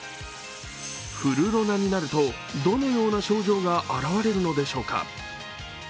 フルロナになるとどのような症状が現れるのでしょうか。